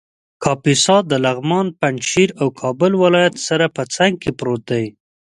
کاپیسا د لغمان ، پنجشېر او کابل ولایت سره په څنګ کې پروت دی